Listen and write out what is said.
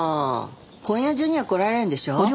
今夜中には来られるんでしょ？